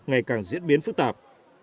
ngày càng diễn biến phức tạp